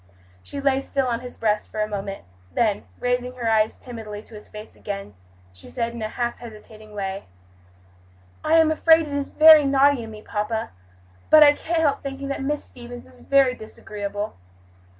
She lay still on his breast for a moment; then, raising her eyes timidly to his face again, she said in a half hesitating way, "I am afraid it is very naughty in me, papa, but I can't help thinking that Miss Stevens is very disagreeable.